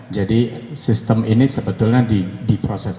jadi sistem ini sebetulnya di proses